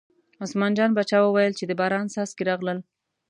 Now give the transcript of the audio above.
عثمان جان باچا وویل چې د باران څاڅکي راغلل.